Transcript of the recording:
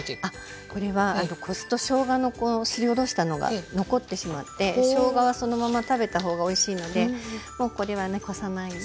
これはこすとしょうがのすりおろしたのが残ってしまってしょうがはそのまま食べた方がおいしいのでもうこれはねこさないで。